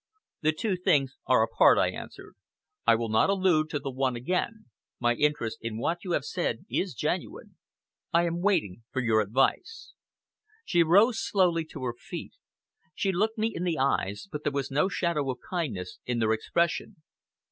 "The two things are apart," I answered. "I will not allude to the one again. My interest in what you have said is genuine. I am waiting for your advice." She rose slowly to her feet. She looked me in the eyes, but there was no shadow of kindness in their expression.